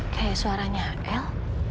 kayak suaranya el